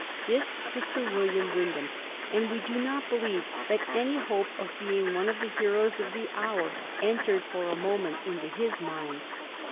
This was Sir William Wynd ham ; and we do not believe that any hope of being one of the heroes of the hour entered for a moment into his mind.